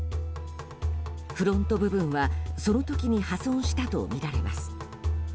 フロント部分は、その時に破損したとみられます。